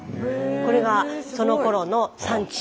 これがそのころの産地。